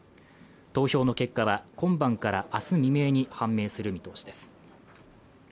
投票の結果は今晩から明日未明に判明する見通しです